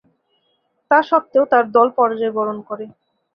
তাস্বত্ত্বেও তার দল পরাজয়বরণ করে।